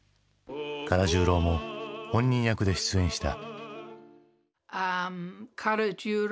唐十郎も本人役で出演した。